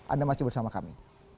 anda masih bersama kami